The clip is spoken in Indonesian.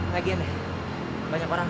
lagian deh banyak orang